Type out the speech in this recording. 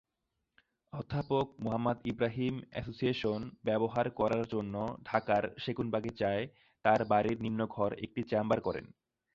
অধ্যাপক মুহাম্মদ ইব্রাহিম এসোসিয়েশন ব্যবহার করার জন্য ঢাকার সেগুনবাগিচায় তার বাড়ির নিম্ন ঘর একটি চেম্বার করেন।